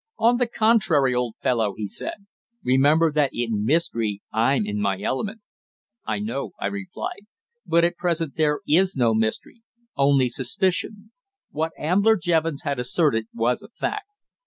"On the contrary, old fellow," he said. "Remember that in mystery I'm in my element." "I know," I replied. "But at present there is no mystery only suspicion." What Ambler Jevons had asserted was a fact.